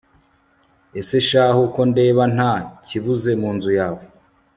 ese shahu, ko ndeba nta kibuze mu nzu yawe